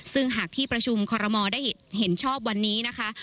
ซึ่งหากที่ประชุมคอรมอลได้เห็นชอบวันนี้นะคะ